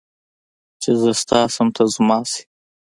چې زه ستا شم ته زما شې